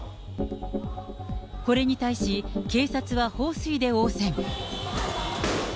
これに対し、警察は放水で応戦。